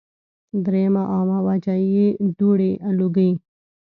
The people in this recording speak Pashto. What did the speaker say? دريمه عامه وجه ئې دوړې ، لوګي